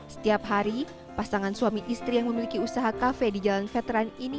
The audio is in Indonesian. setiap hari pasangan suami istri yang memiliki usaha kafe di jalan veteran ini